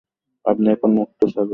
আপনি এখন মুক্ত স্বাধীন।